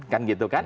kan gitu kan